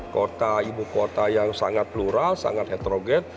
kota ibu kota yang sangat plural sangat heterogen